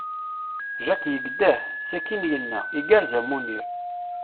Jack yegdeh, sakin yenna: Igerrez a Munir.